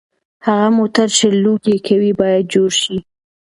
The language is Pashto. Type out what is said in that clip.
هغه موټر چې لوګي کوي باید جوړ شي.